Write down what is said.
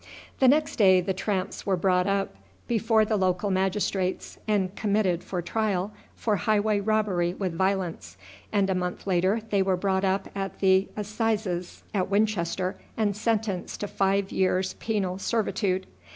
The next day the tramps were brought up before the local magistrates and committed for trial for highway robbery with violence, and a month later they were brought up at the assizes at Winchester and sentenced to five years' penal servitude.